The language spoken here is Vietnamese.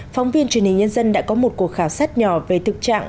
phóng viên truyền hình nhân dân đã có một cuộc khảo sát nhỏ về thực trạng